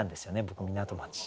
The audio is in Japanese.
僕港町。